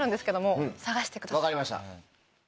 分かりました。